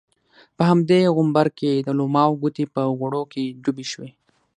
په همدې غومبر کې د علماوو ګوتې په غوړو کې ډوبې شوې.